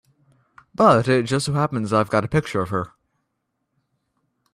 But it just so happens I've got a picture of her.